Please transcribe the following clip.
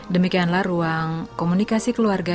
demikianlah ruang komunikasi keluarga